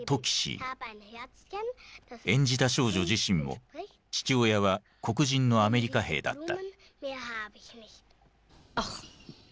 演じた少女自身も父親は黒人のアメリカ兵だった。